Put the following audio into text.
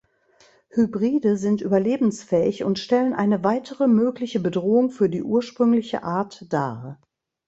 Hybride sind überlebensfähig und stellen eine weitere mögliche Bedrohung für die ursprüngliche Art dar.